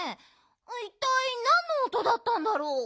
いったいなんのおとだったんだろう？